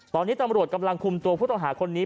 ตอนนี้ตำรวจกำลังคุมตัวผู้ต้องหาคนนี้